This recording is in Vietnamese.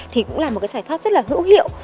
thì cũng là một cái giải pháp rất là hữu hiệu